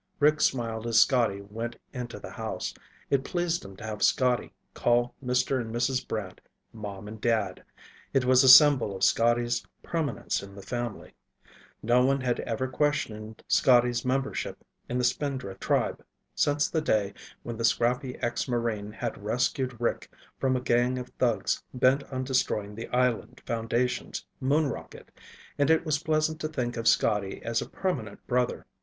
Rick smiled as Scotty went into the house. It pleased him to have Scotty call Mr. and Mrs. Brant "Mom and Dad." It was a symbol of Scotty's permanence in the family. No one had ever questioned Scotty's membership in the Spindrift tribe since the day when the scrappy ex Marine had rescued Rick from a gang of thugs bent on destroying the Island Foundation's moon rocket, and it was pleasant to think of Scotty as a permanent brother.